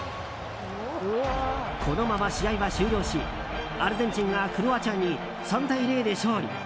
このまま試合は終了しアルゼンチンがクロアチアに３対０で勝利！